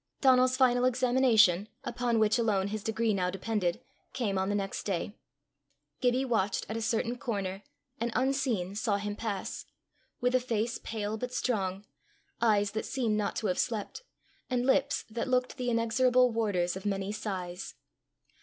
Donal's final examination, upon which alone his degree now depended, came on the next day: Gibbie watched at a certain corner, and unseen saw him pass with a face pale but strong, eyes that seemed not to have slept, and lips that looked the inexorable warders of many sighs.